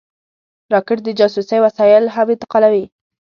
راکټ د جاسوسۍ وسایل هم انتقالوي